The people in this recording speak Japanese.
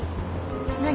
何？